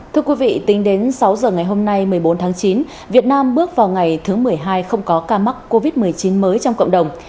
thưa quý vị tính đến sáu giờ ngày hôm nay một mươi bốn tháng chín việt nam bước vào ngày thứ một mươi hai không có ca mắc covid một mươi chín mới trong cộng đồng